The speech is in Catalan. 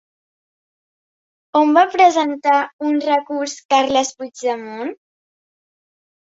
On va presentar un recurs Carles Puigdemont?